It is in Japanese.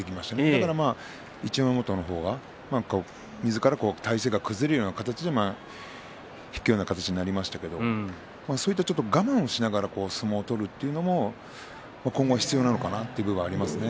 だから一山本の方がみずから体勢が崩れるような引くような形になりましたけれどそれと、我慢をしながら相撲を取るというのも今後、必要なのかなという部分はありますね。